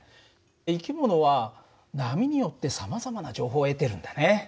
生き物は波によってさまざまな情報を得てるんだね。